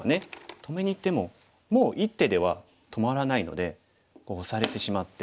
止めにいってももう１手では止まらないのでオサれてしまって。